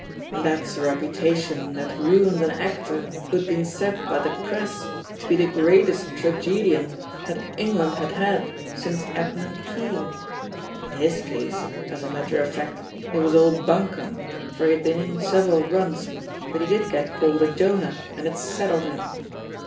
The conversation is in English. That's a reputation that ruined an actor who'd been said by the Press to be the greatest tragedian that England had had since Edmund Kean. In his case, as a mat* ter of fact, it was all bunkum, for he had been in several runs, but he did get called a Jonah, and it settled him.